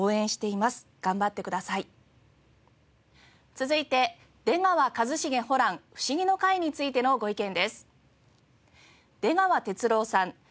続いて『出川一茂ホラン☆フシギの会』についてのご意見です。